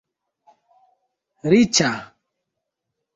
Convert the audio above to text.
riĉa